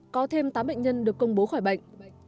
có thêm tám bệnh nhân được công bố khỏi bệnh